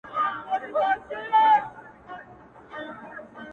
سرې لمبې په غېږ کي ګرځولای سي!